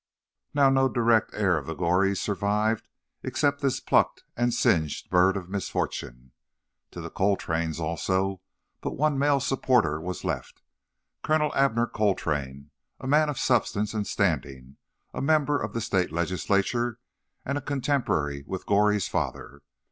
Now no direct heir of the Gorees survived except this plucked and singed bird of misfortune. To the Coltranes, also, but one male supporter was left—Colonel Abner Coltrane, a man of substance and standing, a member of the State Legislature, and a contemporary with Goree's father.